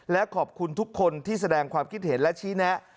และขอบคุณทุกคนที่แสดงความคิดเห็นและชี้แนะ